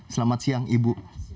selamat siang ibu